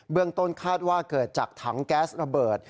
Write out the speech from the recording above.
เรื่องต้นคาดว่าเกิดจากถังแก๊สระเบิด